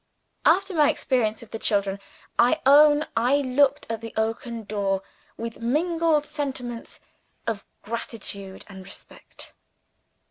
After my experience of the children, I own I looked at the oaken door with mingled sentiments of gratitude and respect.